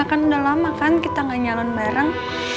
kan udah lama kan kita ga nyalan bareng